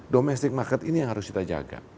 domestic market ini yang harus kita jaga